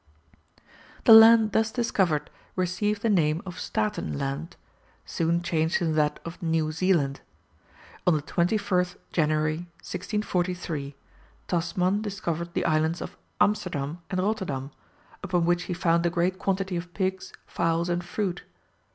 ] The land thus discovered received the name of Staaten Land, soon changed into that of New Zealand. On the 21st January, 1643, Tasman discovered the islands of Amsterdam and Rotterdam, upon which he found a great quantity of pigs, fowls, and fruit.